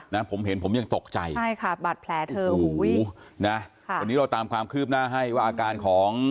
นะผมเห็นผมยังตกใจใช่ค่ะบาดแผลเธอโอ้โหนะค่ะวันนี้เราตามความคืบหน้าให้ว่าอาการของ